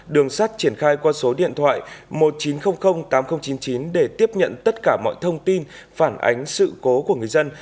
đường sát triển khai qua số điện thoại một chín không không tám không chín chín để tiếp nhận tất cả mọi thông tin phản ánh sự cố của người dân